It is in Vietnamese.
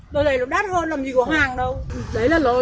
đấy vin sáu trăm linh vin vila